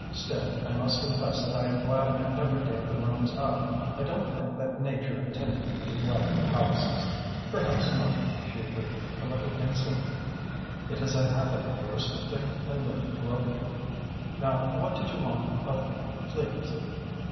"Still, I must confess that I am glad I never gave the rooms up. I don't think that nature intended me to dwell in palaces." "Perhaps not," she agreed, a little insolently. "It is a habit of yours to think and live parochially. Now what did you want of me, please?"